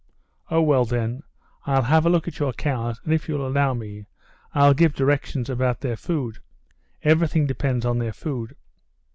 "Oh, well, then, I'll have a look at your cows, and if you'll allow me, I'll give directions about their food. Everything depends on their food."